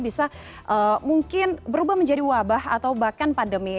bisa mungkin berubah menjadi wabah atau bahkan pandemi